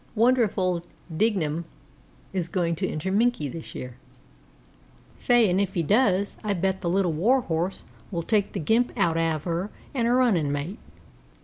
"Wonder if old Dignam is going to enter Minkie this year?" "Faix, an' if he does I bet the Little Warhorse will take the gimp out av her an' her runnin' mate."